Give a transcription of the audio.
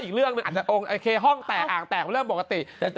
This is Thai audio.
อีกเรื่องนะคะมาอิเคห้องแต่งแต่งที่เรื่องปกติ